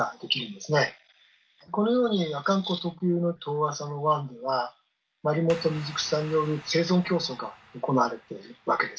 このように阿寒湖特有の遠浅の湾ではマリモと水草による生存競争が行われているわけです。